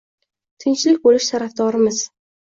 Tinchlik boʻlishi tarafdorimiz